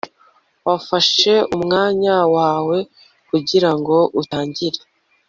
wafashe umwanya wawe kugirango utangire